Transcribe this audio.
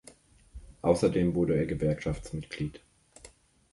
Außerdem wurde er Gewerkschaftsmitglied.